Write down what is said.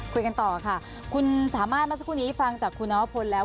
คุยกันต่อค่ะคุณสามารถเมื่อสักครู่นี้ฟังจากคุณนวพลแล้ว